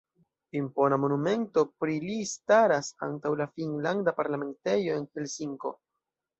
Impona monumento pri li staras antaŭ la finnlanda parlamentejo en Helsinko.